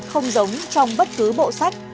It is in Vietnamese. không giống trong bất cứ bộ sách